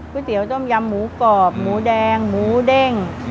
เตี๋ยต้มยำหมูกรอบหมูแดงหมูเด้ง